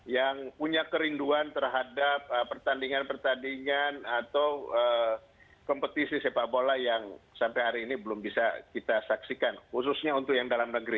yang punya kerinduan terhadap pertandingan pertandingan atau kompetisi sepak bola yang sampai hari ini belum bisa kita saksikan khususnya untuk yang dalam negeri